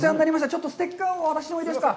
ちょっとステッカーを渡してもいいですか。